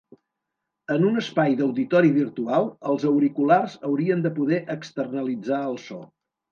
En un espai d'auditori virtual, els auriculars haurien de poder "externalitzar" el so.